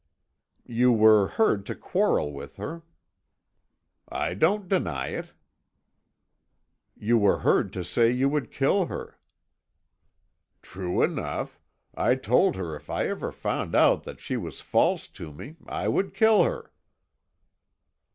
"You were heard to quarrel with her." "I don't deny it." "You were heard to say you would kill her." "True enough. I told her if ever I found out that she was false to me, I would kill her."